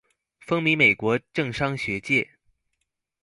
風靡美國政商學界